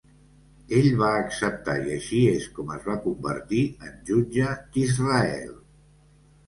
Ell va acceptar i així és com es va convertir en jutge d'Israel.